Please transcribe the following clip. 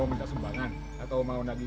iya bakal lo operasi